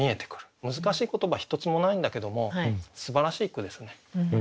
難しい言葉一つもないんだけどもすばらしい句ですね。